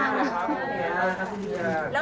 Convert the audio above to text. สงสัย